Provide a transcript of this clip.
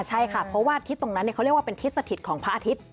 ใช่ค่ะเพราะว่าทิศตรงนั้นเขาเรียกว่าเป็นทิศสถิตของพระอาทิตย์